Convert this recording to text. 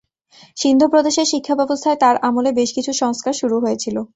সিন্ধ প্রদেশের শিক্ষাব্যবস্থায় তাঁর আমলে বেশ কিছু সংস্কার শুরু হয়েছিল।